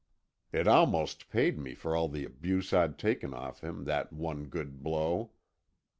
It almost paid me for all the abuse I'd taken off him, that one good blow.